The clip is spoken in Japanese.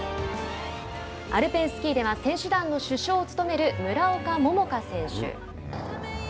アルペンスキーでは選手団の主将を務める村岡桃佳選手。